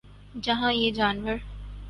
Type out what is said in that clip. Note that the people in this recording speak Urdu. جہاں یہ جانور